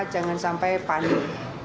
jangan sampai panik